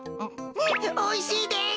おいしいです。